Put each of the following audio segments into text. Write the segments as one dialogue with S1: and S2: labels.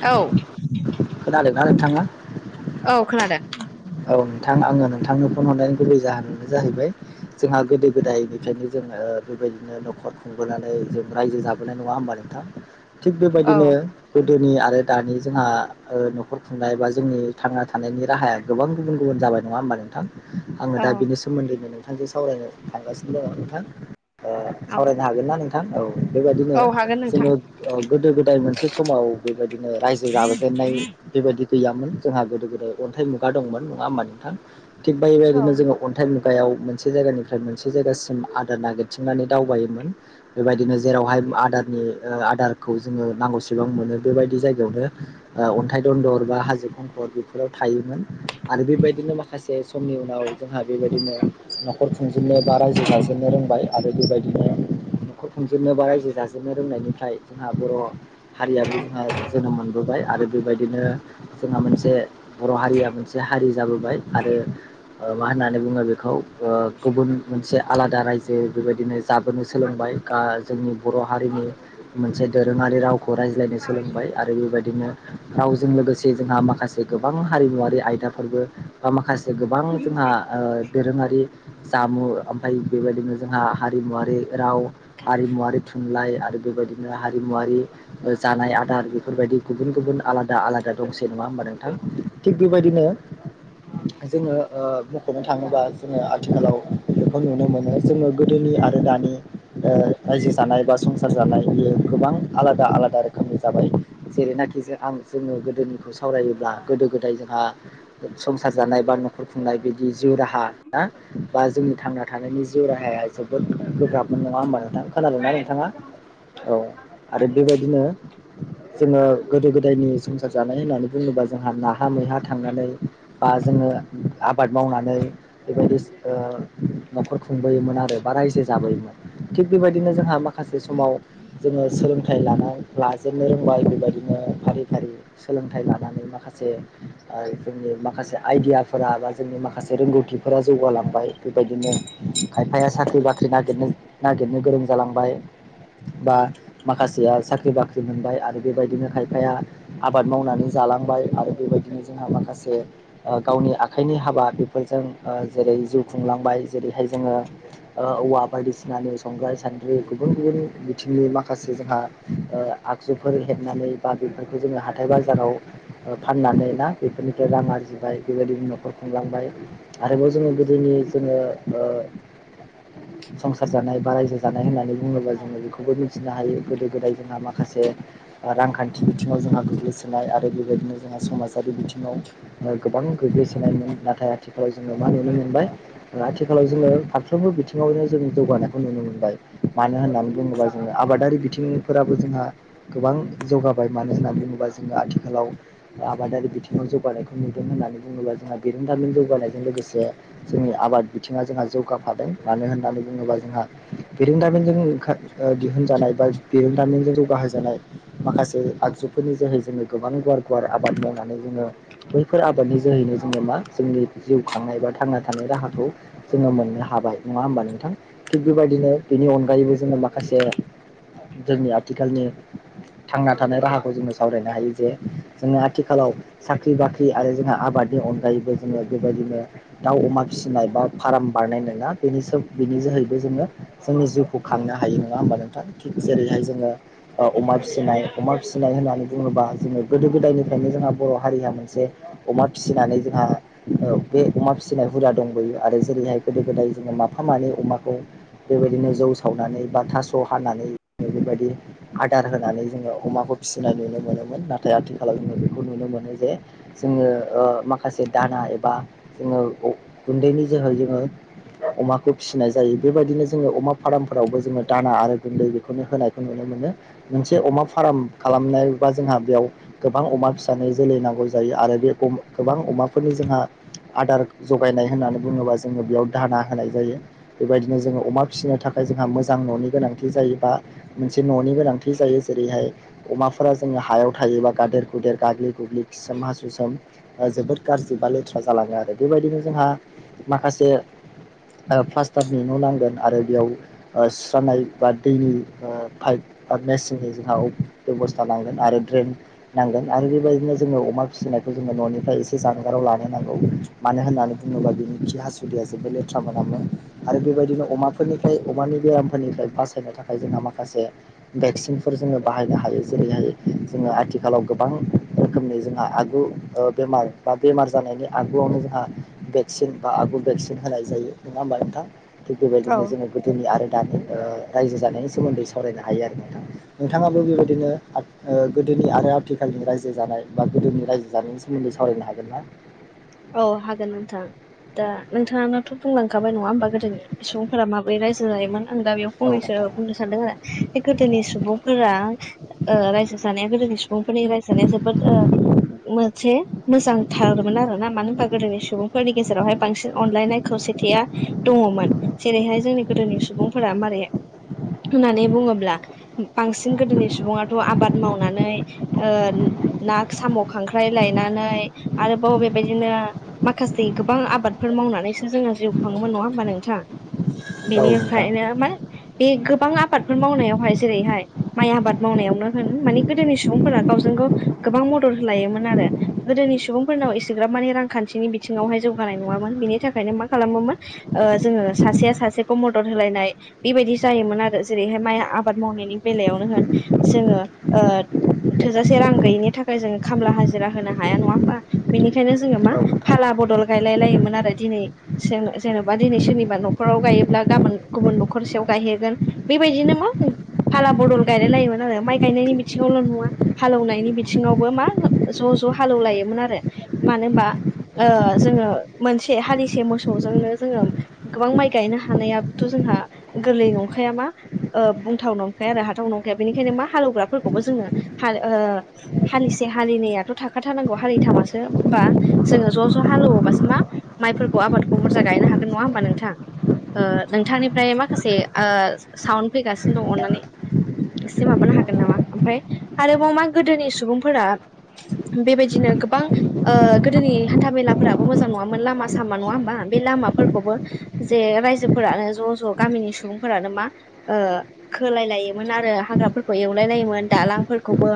S1: औ
S2: खोनादोंना नोंथांआ?
S1: औ खोनादों
S2: औ नोंथां आङो नोंथांनो फन हरनायनि गुबै जाहोनानो जाहैबाय जोंहा गोदो गोदायनिफ्रायनो जों ओ बेबायदिनो न'खर खुंबोनानै जों रायजो जाबोनाय नङा होमबा नोंथां? थिग
S1: औ
S2: बेबायदिनो गोदोनि आरो दानि जोंहा ओ न'खर खुंनाय बा जोंनि थांना थानायनि राहाया गोबां गुबुन गुबुन जाबाय नङा होमबा नोंथां? आङो
S1: औ
S2: दा बेनि सोमोन्दैनो सावरायनो थांगासिनो दङ नोंथां। ओ‌
S1: औ
S2: सावरायनो हागोन ना नोंथां? औ। बेबायदिनो
S1: औ हागोन नोंथां
S2: जोङो ओ गोदो गोदाय मोनसे समाव बेबायदिनो रायजो जाबोजेननाय बेबायदि गैयामोन जोंहा गोदो गोदाय अन्थाइ मुगा दंमोन नङा होमबा नोंथां? थिग
S1: औ
S2: बेबायदिनो जोङो अन्थाइ मुगा मुगायाव मोनसे जायगानिफ्राय मोनसे जायगासिम आदार नागिरथिंनानै दावबायोमोन, बेबायदिनो जेरावहाय आदारनि ओ आदारखौ जोङो नांगौसेबां मोनो बेबायदि जायगायावनो ओ अन्थाइ दन्दर हाजो खंखरफोराव थायोमोन आरो बेबायदिनो माखासे समनि उनाव जोंहा बेबायदिनो न'खर खुंजेननो बा रायजो जाजेननो रोंबाय। आरो बेबायदिनो न'खर खुंजोबनो बा रायजो जाजोबनो रोंनायनिफ्राय जोंहा बर' हारियाबो जोंहा जोनोम मोनबोबाय आरो बेबायदिनो जोंहा मोनसे बर' हारिया मो मोनसे हारि जाबोबाय आरो ओ मा होननानै बुङो बेखौ गुबुन मोनसे आलादा रायजो बेबायदिनो जाबोनो सोलोंबाय दा जोंनि बर' हारिनि मोनसे दोरोङारि राव खौ रायज्लायनो सोलोंबाय आरो बेबायदिनो रावजों लोगोसे जोंहा माखासे गोबां हारिमुवारि आयदाफोरबो बा माखासे गोबां जोंहा‌ ओ दोरोङारि जामु ओमफ्राय बेबायदिनो जोंहा हारिमुवारि राव हारिमुवारि थुनलाइ आरो बेबायदिनो हारिमुवारि ओ जानाय आदार बेफोरबायदि गुबुन गुबुन आलादा आलादा दंसै नङा होमबा नोंथां थिग बेबायदिनो जोङो ओ मख'नो थाङोबा जोङो आथिखालाव बेखौ नुनो मोनो जोङो गोदोनि आरो दानि ओ रायजो जानाय बा संसार जानाय बियो गोबां आलादा आलादा रोखोमनि जाबाय जेरैनाखि खि आं जोङो गोदोनिखौ सावरायोब्ला गोदो गोदाय जोंहा संसार जानाय बा न'खर खुंनाय बिदि जिउ राहा ना बा जोंनि थांना थानायनि जिउ राहाया जोबोद गोब्राब नङा होनोमबा नोंथां खोनादों ना नोंथाङा औ आरो बेबायदिनो जोङो गोदो गोदायनि संसार जानाय होननानै बुङोबा जोंहा नाहा मैहा थांनानै बा जोङो आबाद मावनानै बेबायदि ओ न'खर खुंबोयोमोन आरो बारा इसे जाबोयोमोन थिग बेबायदिनो जोंहा माखासे समाव जोङो सोलोंथाइ लानाय लाजेननो रोंबाय बेबायदिनो फारि फारि सोलोंथाइ लानानै माखासे जोंनि माखासे आइडियाफोरा बा जोंनि माखासे रोंगौथिफोरा जौगालांबाय बेबायदिनो आफाया साख्रि बाख्रि नागिरनो नागिरनो गोरों जालांबाय बा माखासेया साख्रि बाख्रि मोनबाय आरो बेबायदिनो खायफाया आबाद मावनानै जा जालांबाय आरो बेबायदिनो जोंहा माखासे गावनि आखाइनि हाबा बेफोरजों जेरै जिउ खुंलांबाय जेरैहाय जोङो औवा बायदिसिनानि संग्राय सानद्रि गुबुन गुबुन बिथिंनि माखासे जोंहा आगजुफोर हेबनानै बा बेफोरखौ जोङो हाथाय बाजाराव ओ फाननानै ना बेफोरनि रां आरजिबाय बेबायदिनो न'खर खुंलांबाय आरोबाव जोङो गोदोनि जोङो ओ [inaudible] संसार जानाय बा रायजो जानाय होननानै बुङोबा जोङो बेखौबो मिथिनो हायो गोदो गोदाय जोंहा माखासे रांखान्थि बिथिङाव जोंहा गोग्लैसोनाय आरो बेबायदिनो जोंहा समाजारि बिथिङाव गोबां गोग्लैसोनायमोन नाथाय आथिखालाव जोङो मा नुनो मोनबाय आथिखालाव जोङो फारफ्र फ्रोमबो बिथिङावनो जों जौगानायखौ नुनो मोनबाय मानो होननानै बुङोबा जोङो आबादारि बिथिंफोराबो जों हा गोबां जौगाबाय मानो होननानै बुङोबा जोङो आथिखालाव आबादारि बिथिङाव जौगानाय नुदों होननानै बुङोब्ला जोंहा बिरोंदामिन जौगानायजों लोगोसे जोंनि आबाद बिथिङा जोंहा जौगाफादों मानो होननानै बुङोबा जोंहा बिरोंदामिनजों ओंखा दिहुनजानाय बा बिरोंदामिनजों जौगाहो जानाय माखासे आगजु जुफोरनि जोहै जोङो गोबां गुवार गुवार आबाद मावनानै जोङो बैफोर आबादनि जोहैनो जोङो मा जोंनि जिउ खांनाय बा थांना थानाय राहाखौ जोङो मोननो हा बाय नङा होमबा नोंथां थिग बेबायदिनो बेनि अनगायैबो जोङो माखासे जोंनि आथिखालनि थांना थानाय राहाखौ जोङो सावरायनो हायो जे जोङो आथिखालाव सा ख्रि बाख्रि आरो जोंहा आबादनि अनगायैबो जोङो बेबायदिनो दाउ अमा फिसिनाय बा फार्म बानाय [unintelligible] बिनि जोहैबो जोङो जोंनि जिउखौ खांनो हायो नङा होमबा नोंथां थिक जेरैहाय जों ङो अमा फिसिनाय अमा फिसिनाय होननानै बुङोबा जोङो गोदो गोदायनिफ्रायनो जोंहा बर' हारिहा मोनसे अमा फिसिनानै जोंहा बे अमा फिसिनाय हुदा दंबोयो आरो जेरैहाय गोदो गोदाय जोङो माफा मानै अमाखौ बेबायदिनो जौ सावनानै बा थास' हानानै जे बेबायदि आदार होनानै जोङो अमाखौ फिसिनाय नुनो मोनोमोन नाथाय आथिखालाव जोङो बेखौ नुनो मोनो जे जोङो ओ माखासे दाना एबा जोङो गुन्दैनि जोहै जोङो अमाखौ फिसिनाय जायो बेबायदिनो जोङो अमा फार्मफोरावबो जोङो दाना आरो गुन्दै बेखौनो होनायखौ नुनो मो मोनो मोनसे अमा फार्म खालामनाय बा जोंहा बेयाव गोबां अमा फिसानो जोलै नांगौ जायो आरो बे गोबां अमाफोरनि जोंहा आदार जगायनाय होननानै बुङोबा जोङो बेयाव दाना होनाय जायो बेबायदिनो जोङो अमा फिसिनो था खाय जोंहा मोजां न'नि गोनांथि जायो बा मोनसे न'नि गोनांथि जायो जेरैहाय अमाफोरा जों हायाव थायोबा गादेर गुदेर गाग्लि गुग्लिखिसोम हासुसोम जोबोद गाज्रि बा लेथ्रा जालाङो आरो बेबायदिनो जोंहा माखासे जे प्लास्टारनि न' नांगोन आरो बेयाव ओ सुस्रानाय बा दैनि ओ पाइप आर मेसिननि जोंहा बेब'स्था नांगोन आरो द्रेन नांगोन आरो बेबाय दिनो जोङो अमा फिसिनायखौ जोङो न'निफ्राय एसे जानगाराव लानो नांगौ मानो होननानै बुङोबा बिनि खि हासु दैया जोबोद लेथ्रा मोनामोन आरो बेबायदिनो अमाफोरनिफ्राय अमानि बेरामफोरनिफ्राय बासायनो थाखाय जोंहा माखासे भेक्सिनफोर जोङो बाहायनो हायो जेरैहाय जोङो आथिखालाव गोबां रोखोमनि जोंहा आगु बेमार बा बेमार जानायनि आगुआवनो जोंहा भेक्सिन बा आगु भेक्सिन होनाय जायो नङा होमबा नोंथां थिग
S1: औ
S2: बेबायदिनो जोङो गोदोनि आरो दानि ओ रायजो जानायनि सोमोन्दै सावरायनो हायो आरो नोंथां नोंथाङाबो बेबायदिनो ओ गोदोनि आर आथिखालनि रायजो जानाय बा गोदोनि रायजो जानायनि सोमोन्दै सावरायनो हागोन ना?
S1: हागोन नोंथां दा नोंथाङानोथ' बुंलांखाबाय नङा होमबा गोदोनि सुबुंफोरा माबोरै रायजो जायोमोन। आं दा बेयाव
S2: औ
S1: फंनैसो
S2: नोंथां
S1: बुंनो सानदों आरो बे गोदोनि सुबुंफोरा ओ रायजो जानाया गोदो नि सुबुंफोरनि रायजो जानाया जोबोद मोनसे मोजां थारमोन आरो। ना मानो होनबा गोदोनि सुबुंफोरनि गेजेरावहाय बांसिन अनलायनाय खौसेथिया दङ'मोन जेरैहाय जों बे गोदोनि सुबुंफोरा मारै होननानै बुङोब्ला बांसिन गोदोनि सुबुङाथ' आबाद मावनानै ओ ना, साम', खांख्राइ लायनानै आरोबाव बे बिदिनो माखासे गोबां आबादफोर मावनानैसो जोङो जिउ खाङोमोन नङा होमबा नोंथां?
S2: औ नोंथां
S1: बिनिफ्रायनो माने बे गोबां आबादफोर मावनायावहाय जेरैहाय माइ आबाद मावनायावनो होन माने गोदोनि सुबुंफोरा गावजों गाव गोबां मदद होलायोमोन आरो गोदनि सुबुंफोरनाव एस ग्राम माने रांखान्थिनि बिथिङावहाय जौगानाय नङा मोन बिनि थाखायनो मा खालामोन ओ जोङो सासेया सा सेखौ मदद होलायनाय बेबायदि जायोमोन आरो जेरैहाय माइ आबाद मावनायनि बेलायावनो होन जों ओ थोजासे रां गैयिनि थाखाय जोङो खामला हाजिरा होनो हाया नङा होमबा? बेनिखायनो जोङो मा फाला बदल गायलाय लायोमोन आरो दिनै जेन'बा दिनै सोरनिबा न'खराव राव गायोब्ला गाबोन गुबुन न'खरसेयाव गायहैगोन बेबायदिनो मा फाला बदल गायलाय लायोमोन आ रो माइ गायनायनि बिथिङावल' नुङा हालौनायनि बिथिङावबो मा ज' ज' हालेवलायोमोन आरो। मानो होमबा ओ जोङो मोनसे हालिसे मोसौजोंनो जोङो गोबां माइ गायनो हानायोथ' जों हा गोरलै नंखाया मा ओ बुंथाव नंखाया आरो हाथाव नंखाया। बेनिखायनो मा हालौग्राफोरखौबो जोंनो हाल ओ हालिसे हालिनैयाथ' थाखाथारनांगौ हालिथामा बा जोङो ज' ज' हालेवोबासो मा माइफोरखौ आबादखौ बुरजा गायनो हागोन, नङा होमबा नोंथां? ओ नोंथांनिफ्राय माखासे ओ साउन्ड फैगासिनो दङ अन्नानै एसे माबानो हागोन नामा। ओमफाय आरोबाव मा गोदोनि सुबुंफोरा बेबायदिनो गोबां ओ गोदोनि हान्था मेलाफोराबो मोजां नङामोन लामा सामा नङा होमबा? बे लामाफोरखौबो जे रायजोफोरानो ज' ज' गामिनि सुबुंफोरानो मा ओ खोलाय लायोमोन आरो हाग्राफोरखौ एवलाय लायोमोन दालांफोरखौबो।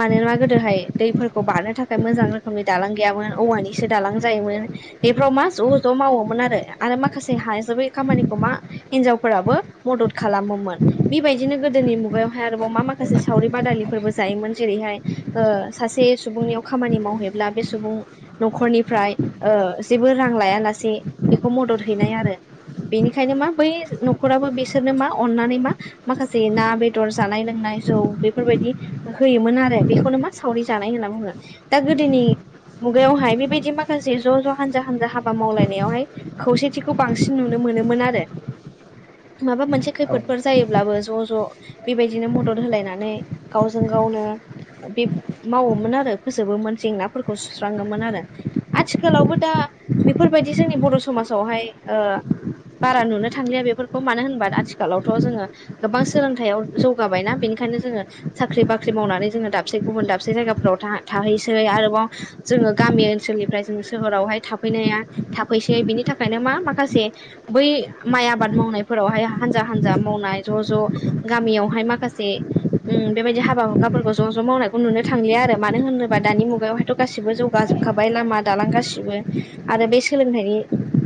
S1: मानोना गोदोहाय दैफोरखौ बारनो थाखाय मोजां रो खोमनि दालां गैयामोन औवानिसो दालां जायोमोन। बेफोराव मा ज' ज' मावोमोन आरो। आरो माखासे हाजोबै खामानिखौ मा हिनजावफोराबो मदद खालामोमोन। बेबायदिनो गोदोनि मुगायावहाय आरोबाव मा माखासे सावरि बादालिफोरबो जायोमोन जेरैहाय सासे सुबुंनि खामानि मावहै ब्ला बे सुबुं न'खरनिफ्राय ओ जेबो रां लाया लासे बेखौ मदद हैनाय आरो। बेनिखायनो मा बै न'खराबो बेसोरनो मा अननानै मा माखासे ना बेदर जानाय लों नाय, जौ बेफोरबायदि होयोमोन आरो बेखौनो मा सावरि जानाय होनना बुङो। दा गोदोनि मुगायावहाय बेबायदि माखासे ज' ज' हानजा हानजा हाबा मावलायनायावहाय खौसेथिखौ बांसिन नुनो मोनोमोन आरो। माबा मोनसे
S2: औ
S1: खैफोदफोर जायोब्लाबो ज' ज' बेबायदिनो मदद होलायनानै गावजों गावनो बे मावोमोन आरो फोजोबोमोन। जेंनाफोरखौ सुस्राङोमोन आरो आथिखालावबो दा बेफोरबादि जोंनि बर' समाजावहाय ओ बारा नुनो थांलिया बेफोरखौ मानो होनबा आथिखालावथ' जोङो गोबां सोलोंथाइयाव जौगाबायना। बेनि खायनो जोङो साख्रि बाख्रि मावनानै जोङो दाबसे गुबुन दाबसे जायाफोराव था-थाहैस सै। आरोबाव जोङो गामि ओनसोलनिफ्राय जों सोहोरावहाय थाफैनाया थाफैसै। बिनि थाखायनो मा माखासे बै माइ आबाद मावनायफोरावहाय हानजा हानजा मावनाय ज' ज' गामि मियावहाय माखासे उम बेबायदि हाबा हुखाफोरखौ ज' ज' मावनायखौ नुनो थांलिया आरो मानो होनो बा दानि मुगायावहायथ' गासिबो जौगाजोबखाबाय लामा दालां गासिबो आरो बे सोलोंथाइनि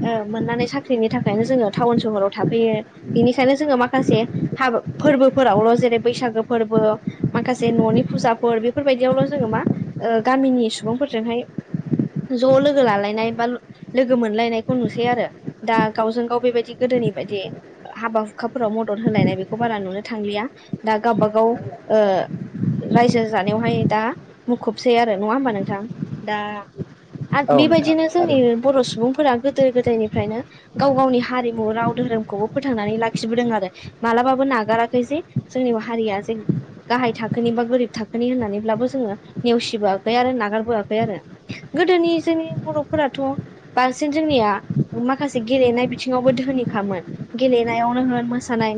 S1: औ मोननानै साख्रिनि थाखायनो जोङो टाउन सहराव थाफैयो। बिनिखायनो जोङो माखासे हाबा फोरबोफोरावल' जेरै बैसागो फोरबो, माखासे न'नि फुजाफोर बेफोरबायदियावल' जोङो मा ओ गामिनि सुबुंफोरजोंहाय ज' लोगो लालायनाय बा लोगो मोनलायनायखौ नुसै आरो दा गावजों गाव बेबायदि गो दोनि बायदि हाबा हुखाफोराव मदद होलायनाय बेखौ बारा नुनो थांलिया। दा गाबा गाव ओ रायजो जानायावहाय दा मुखुबसै आरो नङा होमबा नोंथां? दा आर
S2: औ नोंथां
S1: बेबायदिनो जोंनि
S2: थारैनो औ
S1: बर' सुबुंफोरा गो दो गोदायनिफ्रायनो गाव गावनि हारिमु राव धोरोमखौबो फोथांनानै लाखिबोदों आरो मालाबाबो ना नागाराखै जे जोंनि हारिया जे गाहाय थाखोनि बा गोरिब थाखोनि होननानैब्लाबो जोङो नेवसिबोआखै आरो नागारबोआखै आरो गोदोनि जोंनि बर'फोराथ' बांसिन जोंनि या माखासे गेलेनाय बिथिङावबो धोनिखामोन। गेलेनायावनो होन मोसानाय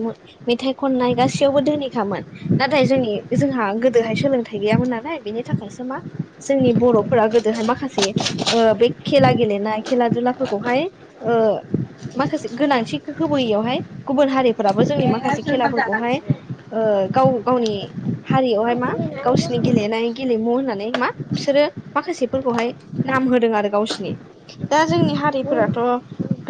S1: मेथाइ थाइ खननाय गासैयावबो दोहोनिखामोन। नाथाय जोंनि जोंहा गोदोहाय सोलोंथाइ गैयामोन नालाय बेनि था खायसो मा जोंनि बर'फोरा गोदोहाय माखासे बे ओ खेला गेलेनाय खेला दुलाफोरखौ हाय ओ माखासे गोनांथि होयैयावहाय गुबुन हारिफोराबो जोंनि मा
S2: नोंथां
S1: खासे खेलाफोरखौहाय ओ गाव गावनि हारियावहाय मा गावसिनि गेलेनाय गेलेमु होननानै मा बिसोरो माखासेफोरखौहाय नाम होदों आरो गावसिनि। दा जोंनि हारिफोराथ'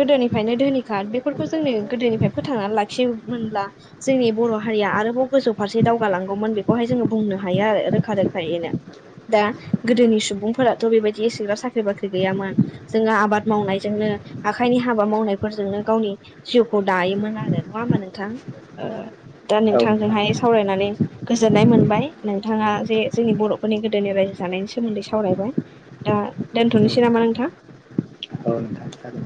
S1: गोदोनिफ्रायनो धोनिखा बेफोरखौ जोंनि गोदोनिफ्राय फोथांनानै लाखिनो मोनला जोंनि बर' हारिया आरोबाव गोजौ फारसे दावगालांगौमोन बेखौहाय जोङो बुंनो हायो आरो रोखा रोखा खायैनो दा गोदोनि सुबुंफोराथ' बेबायदि एसेग्रां साख्रि बाख्रि गैयामोन जोङो आबाद मावनायजोंनो आखाइनि हाबा मावनायफोरजोंनो गावनि जिउखौ दायोमोन आरो नङा होमबा नोंथां दा नोंथांजोंहाय सावरायनानै गोजोननाय मोनबाय नोंथाङा जे जोंनि बर'फोरनि गोदोनि रायजो जानायनि सोमोन्दै सावरायबाय दा दोनथ'नोसै नामा नोंथां
S2: औ नोंथां